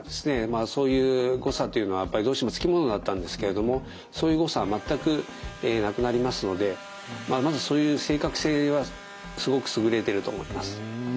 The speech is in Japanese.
そういう誤差というのはどうしても付き物だったんですけれどもそういう誤差は全くなくなりますのでまずそういう正確性はすごく優れていると思います。